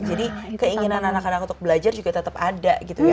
jadi keinginan anak anak untuk belajar juga tetap ada gitu ya